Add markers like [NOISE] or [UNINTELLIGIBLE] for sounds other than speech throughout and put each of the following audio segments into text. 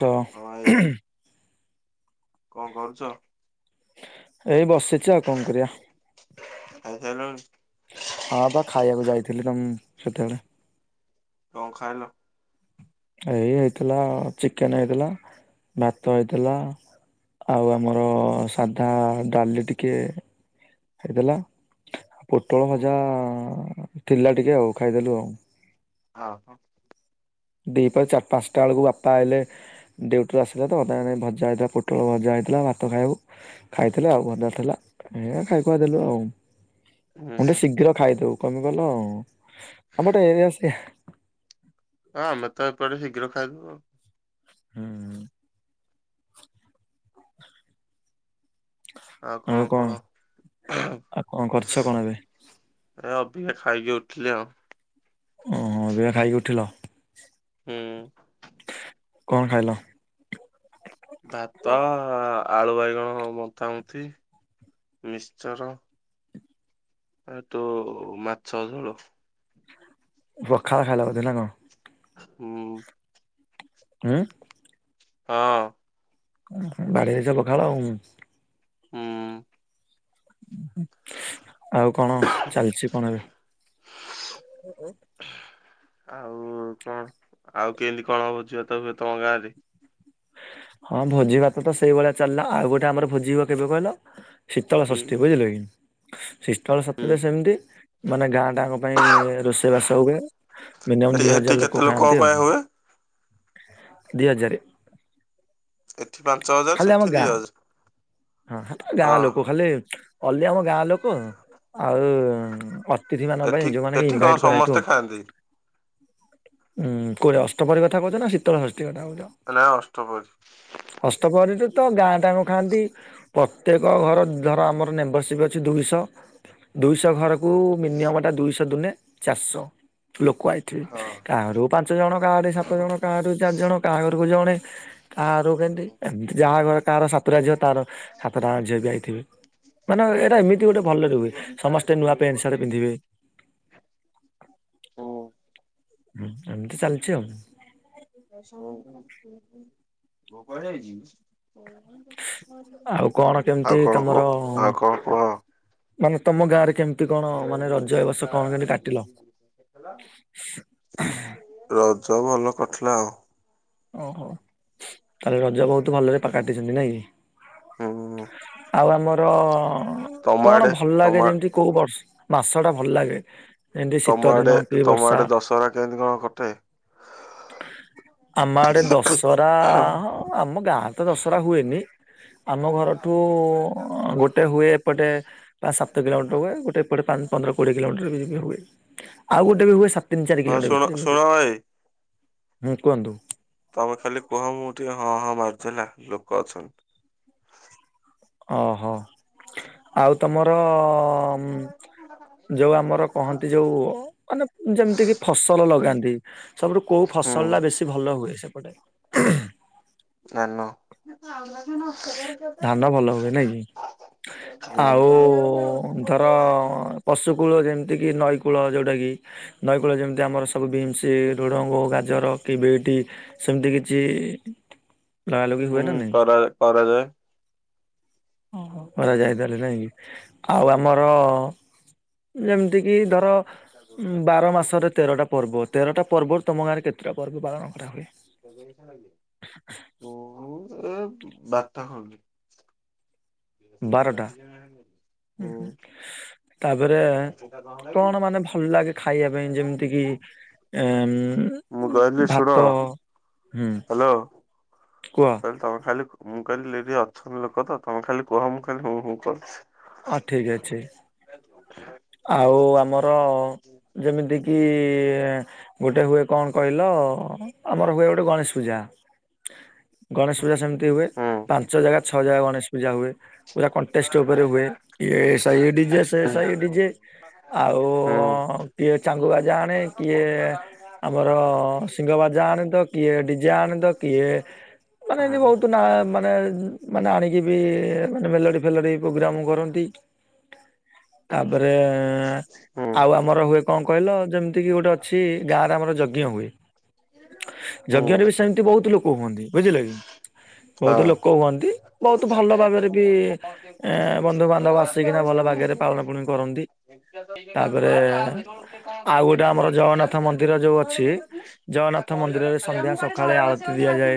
ତ ହଁ ଭାଇ [UNINTELLIGIBLE] କଣ କରୁଛ? ଏଇ ବସିଚ ଆଉ କଣ କରିବା। ଖାଇସାଇଲଣି? ହଁ ବା ଖାଇବାକୁ ଯାଇଥିଲି ତ ମୁ ସେତେବେଳେ। କଣ ଖାଇଲ? ଏଇ ହେଇଥିଲା ଚିକେନ ହେଇଥିଲା ଭାତ ହେଇଥିଲା। ଆଉ ଆମର ହୁଁ ସାଧା ଡାଲି ଟିକେ ଖାଇଦେଲାଉ ପୋଟଳ ଭଜା ଥିଲା ଟିକେ ଆଉ ଖାଇଦେଲୁ ଆଉ। ଆଉ ଆପଣ? ଦିପ ଚାରି ପାଞ୍ଚଟା ବେଳକୁ ବାପା ଆଇଲେ ଡ୍ୟଉଟିରୁ ଆସିଥିଲା ତ ଅଧାଣେ ଭଜା ହେଇଥିଲା ପୋଟଳ ଭଜା ହେଇଥିଲା ଭାତ ଖାଇବାକୁ ଖାଇଥିଲେ ଆଉ ଭଜା ଥିଲା ମୁଁ ଖାଇ ଖାଇ ଦେଲି ଆଉ। ହୁଁ ମୁେ ହୁଁ ଶୀଘ୍ର ଖାଇଦଉ କମେ କଲ ଆ ଆମ ଗୋଟେ ଏରିଆ ହଁ ଆମେ ତ ଏପଟେ ଶୀଘ୍ର ଖାଇଦଉ ଆଉ। ହୁଁ ଆଉ କଣ କୁହ? ଆଉ କଣ କରୁଛ କଣ ଏବେ? ଏ ଅବିକା ଖାଇକି ଉଠିଲି ଆଉ। ଓହୋ ଏବେ ଖାଇକି ଉଠିଲ? ହୁଁ କଣ ଖାଇଲ? ଭାତ ଆଳୁ ବାଇଗଣ ମତାମତି ମିକ୍ସଚର ଆଉ ତୋ ମାଛ ଝୋଳ। ପଖାଳ ଖାଇଲ ବୋଧେ ନା କଣ? ଉଁ ଉଁ ହଁ ବାଡିରେ ତ ପଖାଳ ଉଁ ଉଁ ଆଉ କଣ ଚାଲିଚି କଣ ଏବେ? ଆଉ କଣ ଆଉ କେମିତି କଣ ହବ ଝୁଅ ତ ହୁଏ ତମ ଗାଁ ରେ? ହଁ ଭୋଜି ଭାତ ତ ସେଇଭଳିଆ ଚାଲିଲା ଆଉ ଗୋଟେ ଆମର ଭୋଜି କେବେ କହିଲ? ଶୀତଳ ହୁଁ ଷଷ୍ଠୀ ବୁଝିଲେ କି? ଶିଷ୍ଟଳ ହୁଁ ସତରେ ସେମିତି ମାନେ ଗାଁ ଟାଙ୍କ ପାଇଁ ରୋଷେଇ ବାସ ହୁଏ। ମିନିଅମ୍ ଦି ସେଠି ହଜାର କେତେ ଲୋକ ଲୋକଙ୍କ ଖାଆନ୍ତି ପାଇଁ ହୁଏ? ଆଉ ଦି ହଜାରେ। ଏଠି ପାଞ୍ଚ ହଜାରେ ଖାଲି ଆମ ସେଠି ଦି ଗାଁ ହଜାରେ। ହଁ ଗାଁ ଲୋକ ଖାଲି ଅଲି ଆମ ଗାଁ ଲୋକ ଆଉ ଅ ତିଥି ମାନ ଙ୍କ ଏଠି ପାଇଁ ଯଉମାନେ ଏଠି କଣ ଇନଭାଇଟ୍ ସମସ୍ତେ କରାଇଥିବ। ଖାଆନ୍ତି କୁଅଁ ଅଷ୍ଟମରୀ କଥା କହୁଛ ନା ଶୀତଳ ଷଷ୍ଠୀ କଥା କହୁଛ? ନା ଅଷ୍ଟପହରୀ। ହଷ୍ଟପରି ତ ଗାଁ ଟଙ୍କା ଖାଆନ୍ତି। ପ୍ରତ୍ୟେକ ଘର ଧର ଆମର ମେମ୍ବରସିପ୍ ଅଛି ଦୁଇଶହ ଦୁଇଶହ ଘରକୁ ମିନିଅମ୍ ଟା ଦୁଇଶହ ଦୁନେ ଚାରିଶହ ଲୋକ ଆଇ ଠିକ୍ ହଁ କାହାଘରକୁ ପାଞ୍ଚ ଜଣ କାହା ଘରେ ସାତ ଜଣ। କାହା ରାରୁ ଚାରିଜଣ କାହା ଘରକୁ ଜଣେ କା ର କେମିତି ଏତି ଯାହା ଘର କାହାର ସାତଟା ଝିଅ ତାର ସାତଟା ଝିଅ ବି ଆଇଥିବେ ମାନେ ଏଇଟା ଏମିତି ଗୋଟେ ଭଲରେ ହୁଏ ସମସ୍ତେ ନୂଆ ପ୍ୟାଣ୍ଟ ସାରେ ପିନ୍ଧିବେ। ହୁଁ ଏମତି ଚାଲିଚି ଆଉ। ପୁଅ କୁଆଡେ ଯାଇଚି? ଆଉ କଣ କେମିତି ଆଉ କଣ ତମର କହ ଆଉ କଣ କୁହ? ମାନେ ତମ ଗାଁ ରେ କେମିତି କଣ ମାନେ ରଜ ଏବର୍ଷ କଣ କେମତି କାଟିଲ? ରଜ ଭଲ କଟିଲା ଆଉ। ଓହୋ ତାହାଲେ ରଜ ବହୁତ ଭଲରେ କାଟିଚନ୍ତି ନାଇଁ ହୁଁ କି? ଆଉ ଆମର ତମ କଣ ଆଡେ ଭଲ ତମ ଲାଗେ ଯେମିତି କୋଉ ବର୍ଷ ମାସ ଟା ଭଲ ଲାଗେ। ଏମିତି ଶୀତ ତମ ଦିନ ଆଡେ କି ତମ ବର୍ଷା ଆଡେ ଦଶହରା କେମିତି କଣ କଟେ? ଆମ ଆଡ଼େ ଦଶହରା ହଁ ଆମ ଗାଁରେ ତ ଦଶହରା ହୁଏନି। ଆମ ଘରଠୁ ଗୋଟେ ହୁଏ ଏପଟେ ପ୍ରାୟ ସାତ କିଲୋମିଟର ହୁଏ ଗୋଟେ। ଗୋଟେ ପାଞ୍ଚ ପନ୍ଦର କୋଡ଼ିଏ କିଲୋମିଟର ବି ବି ହୁଏ। ଆଉ ଗୋଟେ ବି ହୁଏ ସାତ ତିନି ଚାରି ହଁ କିଲୋମିଟର ଶୁଣ ଭିତରେ ଶୁଣ ଭାଇ ହୁଁ କୁହନ୍ତୁ। ତମେ ଖାଲି କୁହ ମୁଁ ଟିକେ ହଁ ହଁ ମାରୁଚି ହେଲା ଲୋକ ଅଛନ୍ତି। ଓହୋ ଆଉ ତମର? ଯୋଉ ଆମର କହନ୍ତି ଯୋଉ ମାନେ ଯେମିତି କିି ଫସଲ ଲଗାନ୍ତି ସବୁଠୁ କୋଉ ହୁଁ ଫସଲ ଟା ବେଶୀ ଭଲ ହୁଏ ସେପଟେ? [UNINTELLIGIBLE] ଧାନ ଭଲ ହୁଏ ନାଇ କି? ଆଉ କରା ଏଥର ପଶୁ କୂଳ ଯେମିତି କି ନଈ ନଈ କୂଳ ଯେଉଁଟାକି ନଈକୂଳ ଯେମିତି ଆମର ସବୁ ବିମ୍ସି ଢୁଡ଼ଙ୍ଗ ଗାଜର କି ବିଟ୍ ସେମିତି କିଛି ଲଗା ଲଗି ହୁଏ ନା ନାଇଁ। କ କରାଯାଏ। ହ କରାଯାଇ ତାଲେ ନାଇଁ କି ଆଉ ଆମର ଯେମିତିକି ଧର ବାର ମାସରେ ତେରଟା ପର୍ବ ତେରଟା ପର୍ବରୁ ତମ ଗାଁରେ କେତେଟା ପର୍ବ ପାଳନ କରାହୁଏ? [UNINTELLIGIBLE] ବାରଟା ଖଣ୍ଡେ। ବାରଟା ହୁଁ। ତାପରେ କଣ ମାନେ ଭଲ ଲାଗେ ଖାଇବା ପାଇଁ ଯେମିତି କିି ଏ ମୁଁ କହିଲି ଶୁଣ ଭାତ ହୁଁ ହ୍ୟାଲୋ। କୁହ? କହ ତମେ ଖାଲି ମୁଁ କହିଲି ଲେ ଅଛନ୍ତି ଲୋକ ତମେ ଖାଲି କୁହ ମୁଁ ଖାଲି ହୁଁ [UNINTELLIGIBLE] ହଁ ଠିକ୍ ଅଛି। [INAUDIBLE] ଆଉ ଆମର ଯେମିତି କିି ଗୋଟେ ହୁଏ କଣ କହିଲ ଆମର ହୁଏ ଗୋଟେ ଗଣେଶ ପୂଜା। ଗଣେଶ ପୂଜା ସେମିତି ହୁଏ ହୁଁ। ପାଞ୍ଚ ଜାଗା ଛଅ ଜାଗା ଗଣେଶ ପୂଜା ହୁଏ। ପୁରା କଣ୍ଟେଷ୍ଟ ଉପରେ ହୁଏ କି ଏ ହୁଁ ହୁଁ ସାଇ ଡି ଜେ ସେ ସାଇ ଡି ଜେ ଆଉ ହୁଁ ହଁ କିଏ ଚାଙ୍ଗୁବାଜା ଆଣେ କିଏ ଆମର ସିଙ୍ଗ ବାଜା ଆଣ ତ କିଏ ଡିଜା ଆଣ ତ କିଏ ମାନେ ଏମିତି ହଁ ବହୁତ ନା ମାନେ ମାନେ ଆଣିକି ବି ମାନେ ମେଲୋଡି ଫେଲୋଡି ପ୍ରୋଗ୍ରାମ କରନ୍ତି। [INAUDIBLE] ତାପରେ ହଁ ଆଉ ଆମର ହୁଏ କଣ କହିଲ ଯେମିତି ଏତିକି ଗୋଟେ ଅଛି ଗାଁରେ ଆମର ଯଜ୍ଞ ହୁଏ। ହୁଁ ଯଜ୍ଞରେ ବି ସେମିତି ବହୁତ ଲୋକ ହୁଅନ୍ତି ବୁଝିଲ କି ବହୁତ ଲୋକ ହୁଅନ୍ତି। ବହୁତ ଭଲ ଭାବରେ ବି ବନ୍ଧୁବାନ୍ଧବ ଆସିକିନା ଭଲ ବାଗରେ ପାଳନ ପୁଣି କରନ୍ତି ତାପରେ ଆଉ ଗୋଟେ ଆମର [UNINTELLIGIBLE] ଜଗନ୍ନାଥ ମନ୍ଦିର ଯୋଉ ଅଛି ଜଗନ୍ନାଥ [INAUDIBLE] ମନ୍ଦିରରେ ସନ୍ଧ୍ୟା ସକାଳେ ଆଳତି ଦିଆଯାଏ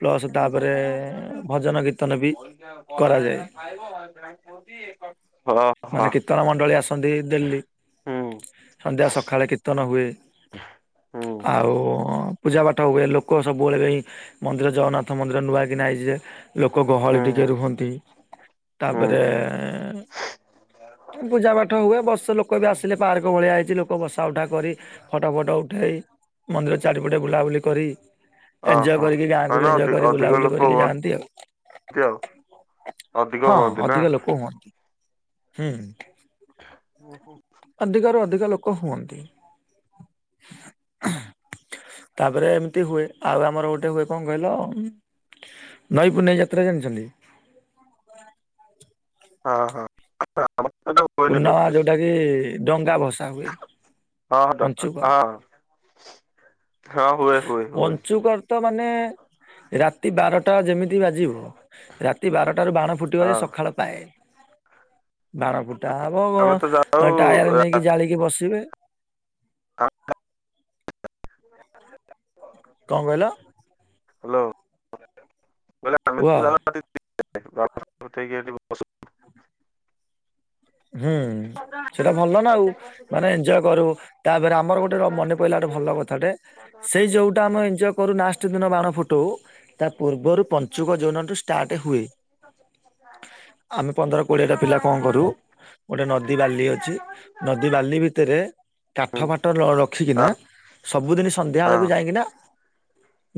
ପ୍ଲସ ତାପରେ ଭଜନ କୀର୍ତ୍ତନ ବି କରାଯାଏ ଖାଇବ ମାନେ [UNINTELLIGIBLE] କୀର୍ତ୍ତନ ମଣ୍ଡଳୀ ଆସନ୍ତି ଡେଲି ସନ୍ଧ୍ୟା ସକାଳେ କୀର୍ତ୍ତନ ହୁଏ। ହୁଁ ଆଉ ପୂଜା ପାଠ ହୁଏ ଲୋକ ସବୁବେଳେ କ ମନ୍ଦିର ଜଗନ୍ନାଥ ମନ୍ଦିର ନୂଆ କି ନାହିଁ ଯେ ଲୋକ ଗହଳି ହୁଁ ଟିକେ ହୁଁ ରୁହନ୍ତି ହୁଁ ତାପରେ ପୂଜା ପାଠ ହୁଏ ବର୍ଷ ଲୋକ ବି ଆସିଲେ ପାର୍କ ଭଳିଆ ହେଇଛି ଲୋକ ଲୋକ ବସା ଉଠା କରି ଫଟୋ ଫଟୋ ଉଠାଇ ମନ୍ଦିର ଚାରିପଟେ ବୁଲାବୁଲି କରି ଏନଞ୍ଜୟ ଓହୋ କରିକି ଗାଁକୁ ମାନେ ବି ଏଜୟ ଅଧି କରି ଅଧିକ ବୁଲାବୁଲି ଲୋକ କରିକି ହୁଅନ୍ତି ଯାଆନ୍ତି ଆଉ। ଆଉ ଅଧିକ ହଁ ହୁଅନ୍ତି ହ ନା ଅଧିକ ଲୋକ ହୁଅନ୍ତି ହୁଁ। ହୁଁ ହିଁ। ଅଧିକରୁ ଅଧିକା ଲୋକ ହୁଅନ୍ତି। [INAUDIBLE] ତାପରେ ଏମିତି ହୁଏ ଆଉ ଆମର ଗୋଟେ ହୁଏ କଣ କହିଲ ନଈପୂନେଇ ଯାତ୍ରା ଜାଣିଚନ୍ତି? ହଁ ହଁ। ଏଟା ହୁଏନି ପୂର୍ଣ୍ଣିମା ଏପଟେ ଯେଉଁଟା କିି ଡଙ୍ଗା ଭସା ହୁଏ ହଁ ପଞ୍ଚୁକ। ହଁ ହଁ ହୁଏ ହୁଏ ହୁଏ ପଞ୍ଚୁକର୍ ତ ମାନେ ରା ରାତି ବାରଟା ଯେମିତି ବାଜିବ ରାତି ବାରଟାରୁ ବାଣ ଫୁଟିବ ଯେ ହଁ ସକାଳ ପାଏ। ବାଣ ଫୁଟା ହବ ଆମେ ତ ଯାଉ ଟାୟାର ନେଇକି ଜାଳିକି ବସିବେ। [UNINTELLIGIBLE] କଣ କହିଲ? ହ୍ୟାଲୋ। କୁହ। [UNINTELLIGIBLE] ହୁଁ। ସେଇଟା ଭଲ ନା ଆଉ ମାନେ ଏଞ୍ଜୟ କରୁ ତାପରେ ଆମର ଗୋଟେ ମନେ ପଇିଲଲା ଗୋଟେ ଭଲ କଥାଟେ ସେଇ ଯୋଉଟା ଆମେ ଏଜୟ କରୁ ନାଷ୍ଟ ଦିନ ବାଣ ଫୁ ଟୁ ତା ପୂର୍ବରୁ ପଞ୍ଚୁକ ଯୌନଠୁ ଷ୍ଟାର୍ଟ ହୁଏ। ଆମେ ପନ୍ଦର କୋଡିଏ ଟା ପିଲା କଣ କରୁ ଗୋଟେ ନଦୀ ବାଲି ଅଛି ନଦୀ ବାଲି ଭିତରେ କାଠ ଫାଟ ରଖିକିନା ହଁ ସବୁଦିନ ସନ୍ଧ୍ୟା ବଳକୁ ହଁ ଯାଇକିନା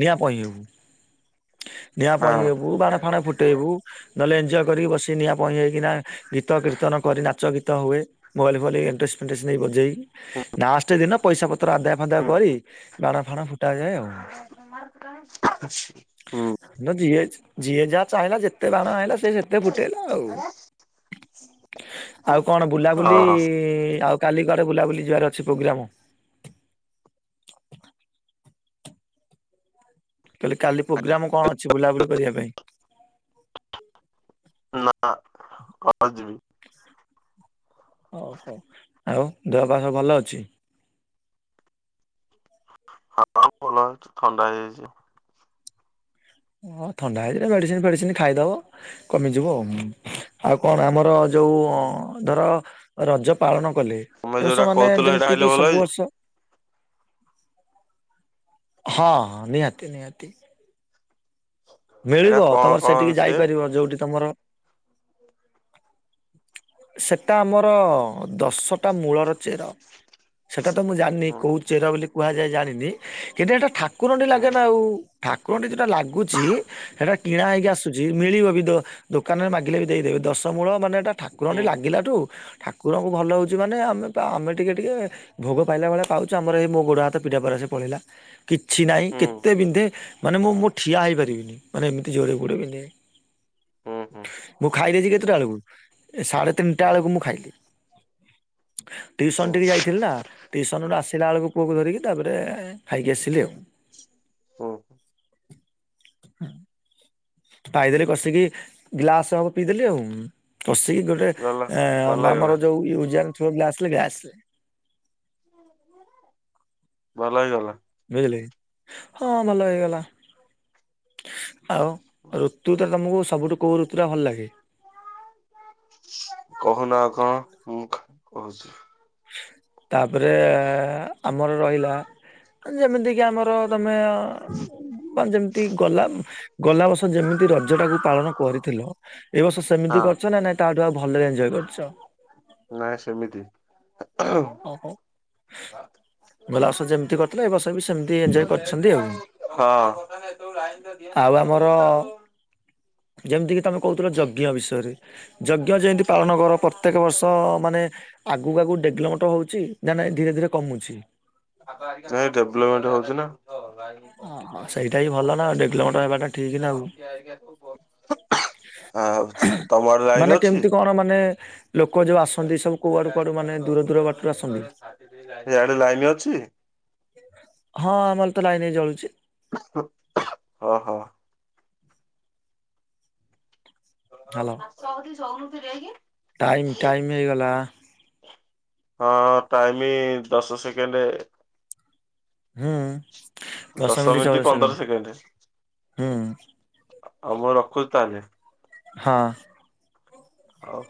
ନିଆଁ ପଇଁହବୁ। ନିଆଁ ପଇଁ ହଁ ହେବୁ ବାଣ ଫାଣ ଫୁଟେଇବୁ। ନହେଲେ ଏଞ୍ଜୟ କରିକି ବସି ନିଆଁ ପହଁ ହେଇକିନା ଗୀତ କୀର୍ତ୍ତନ କରି ନାଚ ଗୀତ ହୁଏ ମୋବଲ୍ ଫୋବଲ ଣ୍ଟରେଷ୍ଟ ଫେଣ୍ଟରେଷ୍ଟ ନେଇ ବଜେଇ ଲଷ୍ଟ ଦିନ ପଇସା ପତ୍ର ଆଦାୟ ଫାଦା ହୁଁ କରି ବାଣ ଫାଣ ଫୁଟା ଯାଏ ଆଉ। ମ ହୁଁ। ଯିଏ ଯିଏ ଯାହା ଚାହିଁଲା ଯେତେ ବାଣ ଚାହିଁଲା ସେ ସେତେ ଫୁଟେଇଲା ଆଉ। ଆଉ କଣ ବୁଲାବୁଲି ହଁ ଆଉ କାଲି କଆଡେ ବୁଲାବୁଲି ଯିବାର ଅଛି ପ୍ରୋଗ୍ରାମ? କହିଲେ କାଲି ପ୍ରୋଗ୍ରାମ କଣ ଅଛି ବୁଲାବୁଲି କରିବା ପାଇଁ? ନା [UNINTELLIGIBLE] ଯିବି। ହଉ ହଉ ଆଉ ଦେହ ପା ସ ଭଲ ଅଛି? ହଁ ଭଲ ଅଛି ଥଣ୍ଡା ହେଇଯାଇଚି ଆଉ। ଓଁ ଥଣ୍ଡା ହେଇ ମେଡିସିନ ଫେଡିସିନ ଖାଇଦବ। କମିଯିବ ଆଉ। କଣ ଆମର ଯୋଉ ଧର ରଜ ପାଳନ କଲେ ତମେ ଯୋଉଟା ରଷ ମମାନେେ କହୁଥିଲ ସେଇଟା ଯେମିତି ଖାଇଲେ କି ଭଲ ସବୁ ହେଇଯିବ ବର୍ଷ ହଁ ହଁ ନିହାତି ନିହାତି। ଏଇଟା ମିଳିବ କଣ ତମର କଣ ସେଠିକି ମିଶେ? ଯାଇପାରିବ ଯୋଉଠି ତମର ସେଟା ଆମର ଦଶଟା ମୂଳର ଚେର। ସେଇଟା ତ ମୁଁ ଜାଣିନି ହୁଁ କୋଉ ଚେର ବୋଲି କୁହାଯାଏ ଜାଣିନି। କିନ୍ତୁ ଏଇଟା ଠାକୁରଠି ହୁଁ ଲାଗେ ନା ଆଉ ଠାକୁରଠି ଯେଉଟା ଲାଗୁଚି ସେଟା କିଣା ହେଇକି ଆସୁଛି ମିଳିବ ବି ଦୋକାନରେ ମାଗିଲେ ବି ଦେଇଦେବବେ ଦଶମୂଳ ମାନେଟା ଠା ଠାକୁର ହୁଁ ଟିକେ ଲାଗିଲାଠୁ ଠାକୁରଙ୍କୁ ଭଲ ହେଉଚି ମାନେ ଆମେ ଆମେ ଟିକେ ଟିକେ ଭୋଗ ପାଇଲା ଭଳିଆ ପାଉଚୁ ଆମର ଏଇ ମୋ ଗୋଡ ହାତ ପିଠା ପରେ ସେ ପଳେଇଲା। କିଛି ନାହିଁ କେତେ ବିନ୍ଧେ ମାନେ ମୁଁ ମୋ ଠିଆ ହୋଇପାରିବିନି। ମାନେ ଏମତି ଜୋରେ ଗୋଡ଼ ବିନ୍ଧେ। ହୁଁ ହୁଁ ମୁଁ ଖାଇଦେଇଚି କେତେଟା ବେଳକୁ ସାଢେ ତିନିଟା ବେଳକୁ ମୁଁ ଖାଇଲି। [UNINTELLIGIBLE] ହୁଁ ଟିଉସନ ଟିକେ ଯାଇଥିଲ ନା ଟିଉସନ ରୁ ଆସିଲା ବେଳକୁ ପୁଅକୁ ଧରିକି ତାପରେ ଖାଇକି ଆସିଲି ଆଉ। ହଁ ହ। ପାଇଦେଲି କଷିକି ଗ୍ଲାସ ପିଇଦେଲି ଆଉ କଷିକି। ଗଲା ଭଲ ହେଇଗଲା ମାମର ଯୋଉ ଏଯୁଆନ ଥୋର ଗ୍ଳାସ ଆସ। ହର। ଭଲ ହେଇଗଲା। ବୁଝିଲି ହଁ ଭଲ ହେଇଗଲା। ଆଉ ଋତୁଟା ତୁମକୁ ସବୁଠୁ କେଉଁ ଋତୁଟା ଭଲ ଲାଗେ। କହୁ ନା କଣ ମୁଁ କହୁଛି। ତାପରେ ଆମର ରହିଲା। ଯେମିତି କିି ଆମର ତମେ? ମାନ ଯେମିତି ଗଲା ଗଲା ବର୍ଷ ଯେମିତି ରଜ ଟାକୁ ପାଳନ କରିଥିଲ ଏ ବର୍ଷ ସେ। ହଁ ସେମିତି କରିଛ ନା ତା ଠାରୁ ଭଲକି ଏନଜୟ କରିଛ। ନାଇଁ ସେମିତି। ଓହୋ। ଗଲେ ବସ ଯେମିତି କରିଥିଲା ଏ ବର୍ସ ବି ସେମିତି ଏଞଜୟ କରିଛନ୍ତି ଆଉ। ସବୁ ରାଇନ ତ ଆଉ ଦିଅନ୍ତିନ ଆମର ସନ୍ଦ ବୁ ଆଉ। ଯେମିତିକି ତମେ କହୁଥିଲ ଯଜ୍ଞ ବିଷୟରେ। ଯଜ୍ଞ ଯେମିତି ପାଳନ କର ପ୍ରତ୍ୟେକ ବର୍ଷ ମାନେ? ଆଗକୁ ଆଗକୁ ଡେଗଲୋମଟର ହେଉଛି ନା ନାଇଁ ଧୀରେ ଧୀରେ କମୁଛି। ାଇ ଡେଭଲପମେଣ୍ଟ ହଉଛି ନା [INAUDIBLE] ହ ଗାଇି କଠ ଓହୋ ସେଇଟା ଧୁଛି ହିଁ ଭଲ ନା ତମେ ଡେଭଲପମେଣ୍ଟ ହେବାଟା ଠିକ ସେତେ ନା ଆଉ ନଖି ଆ ସୁ [INAUDIBLE] ଆ ତମ ଆଡେ ମାନେ ଲାଇନ ଅଛି। କେମିତି କଣ ମାନେ ଲୋକ ଯେଉଁ ଆସନ୍ତି ସବୁ କୁଆଡ଼ୁ କୁଆଡ଼ୁ ମାନେ ଦୂର ଦୂର ବାଟରୁ ଆସନ୍ତି। ସେଇଆଡେ ଲାଇନ ଅଛି। ହଁ ଆମର ତ ଲାଇନ ହେଇ ଜଳୁଛି। ହଁ ହଁ। ହ୍ୟାଲୋ। ସବୁଦ ସବୁନୁ ଫରେକି। ଟାଇମ୍ ଟାଇମ୍ ହେଇଗଲା। ହଁ ଟାଇମ ଦଶ ସେକେଣ୍ଡରେ? ହଁ। ଦଶ ମିନିଟ ପନ୍ଦର ସେକେଣ୍ଡ ହୁଁ ଆଉ ମୁଁ ରଖୁଛି ତାହେଲେ। ହଁ। ହଉ।